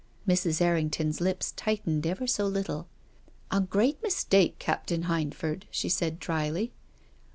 •• Mrs. Errington's lips tightened ever so little. " A great mistake, Captain Hindford," she said drily.